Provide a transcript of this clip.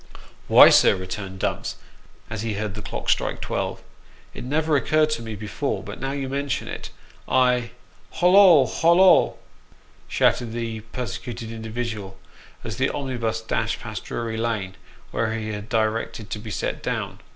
" Why, sir," returned Dumps, as he heard the clock strike twelve, " it never struck me before ; but now you mention it, I Hollo ! hollo !" shouted the persecuted individual, as the omnibus dashed past Drury Lane, where he had directed to be set down.